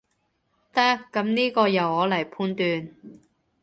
得，噉呢個由我來判斷